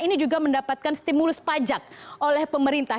ini juga mendapatkan stimulus pajak oleh pemerintah